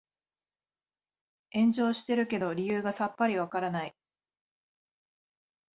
炎上してるけど理由がさっぱりわからない